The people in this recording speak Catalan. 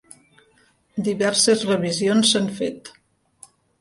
Diverses revisions s'han fet.